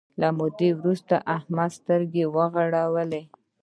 له مودې وروسته احمد سترګې وغړولې.